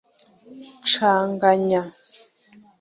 Canganya